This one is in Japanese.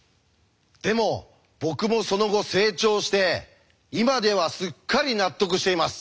でも僕もその後成長して今ではすっかり納得しています。